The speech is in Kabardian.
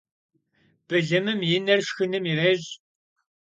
Bılımım yi ner şşxınım yirêş'.